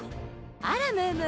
あらムームー。